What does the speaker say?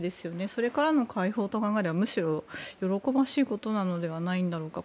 それからの解放と考えればむしろ、喜ばしいことなのではないのだろうか。